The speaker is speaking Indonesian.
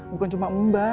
bukan cuma mbak